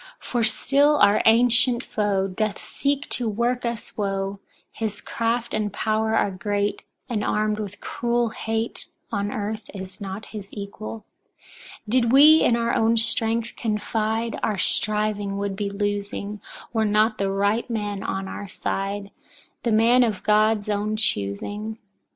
For still our ancient foe doth seek to work us woe; his craft and power are great, and armed with cruel hate, on earth is not his equal. 2. Did we in our own strength confide, our striving would be losing, were not the right man on our side, the man of God's own choosing.